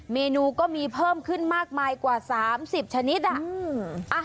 เมนูก็มีเพิ่มขึ้นมากมายกว่า๓๐ชนิดอ่ะ